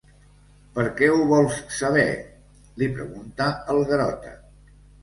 Per què ho vols saber? —li pregunta el Garota.